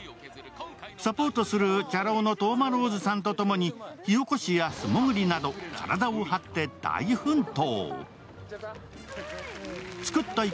サポートするチャラ男の當間ローズさんとともに、火起こしや素潜りなど体を張って大奮闘。